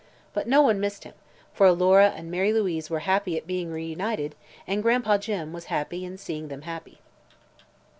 But no one missed him, for Alora and Mary Louise were happy at being reunited and Gran'pa Jim was happy in seeing them happy.